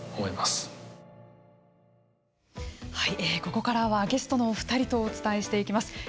ここからはゲストのお２人とお伝えしていきます。